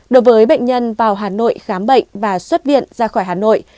đối với bệnh nhân vào hà nội khám bệnh và xuất viện ra khỏi hà nội